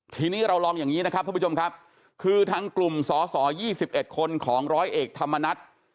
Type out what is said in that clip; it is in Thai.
ทีนี้เราลองอย่างนี้นะครับท่านผู้ชมครับคือทั้งกลุ่มสอสอ๒๑คนของร้อยเอกธรรมนัฐ